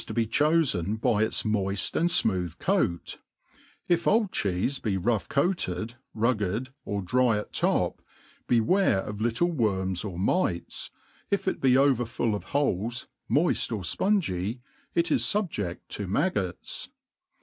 33i Cheefe h to ht cbofen by its moift and fmooth doat ; if old cbeefe be rough coated, rugged, or dry at top, beware of little wbrms or mites, if it be over full of boles, moift or fpungy, is fubje£i: to maggots.